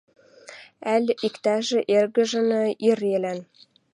Ӓль иктӓжӹ эргӹжӹн ирелӓн